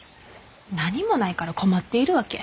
何もないから困っているわけ。